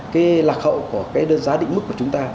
cái lạc hậu của cái đơn giá định mức của chúng ta